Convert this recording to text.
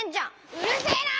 うるせえな！